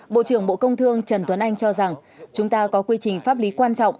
bộ trưởng bộ công thương trần tuấn anh cho rằng chúng ta có quy trình pháp lý quan trọng